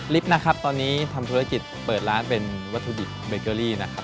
นะครับตอนนี้ทำธุรกิจเปิดร้านเป็นวัตถุดิบเบเกอรี่นะครับ